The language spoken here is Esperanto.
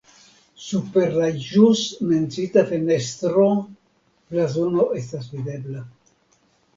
Super la ĵus menciita fenestro blazono estas videbla.